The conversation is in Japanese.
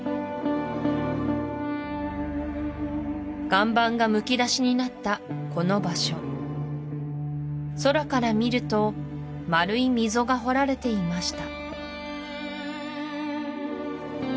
岩盤がむき出しになったこの場所空から見ると丸い溝が掘られていました